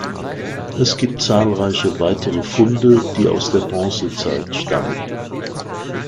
Es gibt zahlreiche weitere Funde, die aus der Bronzezeit stammen.